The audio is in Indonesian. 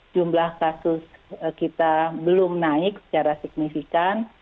jumlah kasus kita belum naik secara signifikan